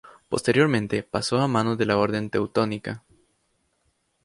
Posteriormente, pasó a manos de la Orden Teutónica.